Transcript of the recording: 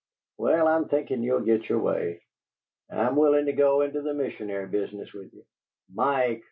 Well, I'm thinkin' ye'll git yer way. I'M willin' to go into the missionary business with ye!" "Mike!"